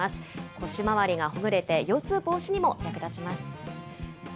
腰回りがほぐれて、腰痛防止にも役立ちます。